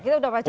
kita sudah baca